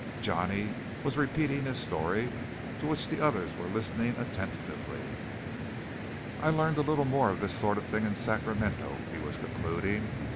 Johnny was repeating his story, to which the others were listening attentively. "I learned a little more of this sort of thing in Sacramento," he was concluding.